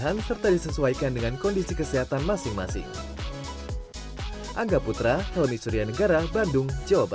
jika tidak berlebihan serta disesuaikan dengan kondisi kesehatan masing masing